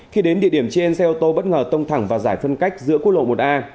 khi đến địa điểm trên xe ô tô bất ngờ tông thẳng vào giải phân cách giữa quốc lộ một a